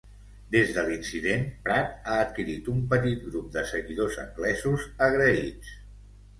Des de l'incident, Pratt ha adquirit un petit grup de seguidors anglesos agraïts.